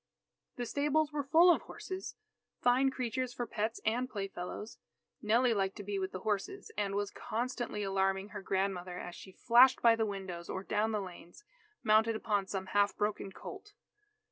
The stables were full of horses, fine creatures for pets and playfellows. Nellie liked to be with the horses, and was constantly alarming her grandmother as she flashed by the windows or down the lanes, mounted upon some half broken colt.